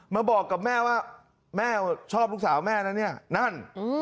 มาบอกกับแม่ว่าแม่ชอบลูกสาวแม่นะเนี่ยนั่น